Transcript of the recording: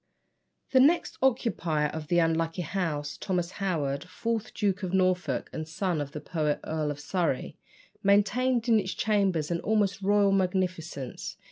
The next occupier of the unlucky house, Thomas Howard, fourth Duke of Norfolk, and son of the poet Earl of Surrey, maintained in its chambers an almost royal magnificence.